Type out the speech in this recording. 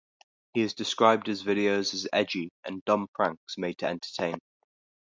He has described his videos as "edgy" and "dumb pranks" made to entertain.